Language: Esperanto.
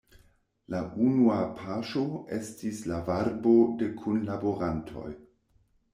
La unua paŝo estis la varbo de kunlaborantoj.